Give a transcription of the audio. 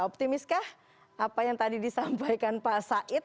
optimist kah apa yang tadi disampaikan pak said